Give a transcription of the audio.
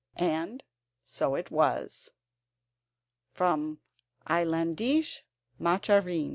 And so it was. [From Islandische Marchen.